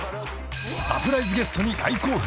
サプライズゲストに大興奮］